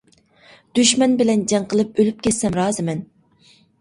دۈشمەن بىلەن جەڭ قىلىپ، ئۆلۈپ كەتسەم رازىمەن.